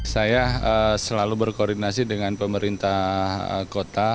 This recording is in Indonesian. saya selalu berkoordinasi dengan pemerintah kota